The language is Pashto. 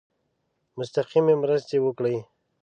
مستقیمي مرستي وکړي.